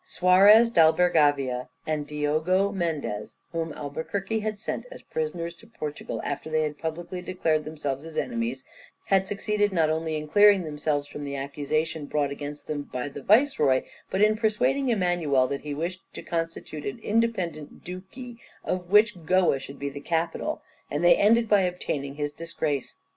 Soarez d'Albergavia and Diogo Mendez, whom Albuquerque had sent as prisoners to Portugal after they had publicly declared themselves his enemies, had succeeded not only in clearing themselves from the accusation brought against them by the viceroy, but in persuading Emmanuel that he wished to constitute an independent duchy of which Goa should be the capital, and they ended by obtaining his disgrace.